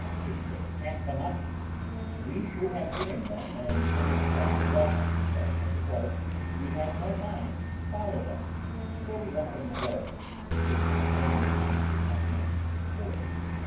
If they had come up, we should have given them an unexpected welcome, but as it was, we had no mind to follow them; so we let them go, for the same reasons which I mentioned before.